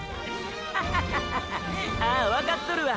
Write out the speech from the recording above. ッハハハハああわかっとるわ！！